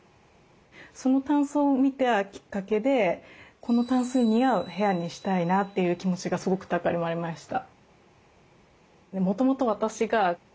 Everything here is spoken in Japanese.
そのタンスを見たきっかけでこのタンスに似合う部屋にしたいなという気持ちがすごく高まりました。